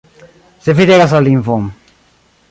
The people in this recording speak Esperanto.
Se vi regas la lingvon.